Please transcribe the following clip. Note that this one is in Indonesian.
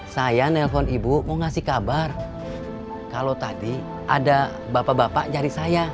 saya nelpon ibu mau ngasih kabar kalau tadi ada bapak bapak nyari saya